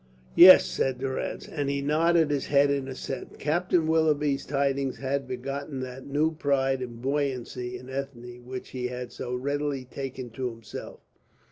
"Yes," said Durrance, and he nodded his head in assent. Captain Willoughby's tidings had begotten that new pride and buoyancy in Ethne which he had so readily taken to himself.